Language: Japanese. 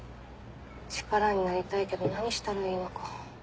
力になりたいけど何したらいいのか。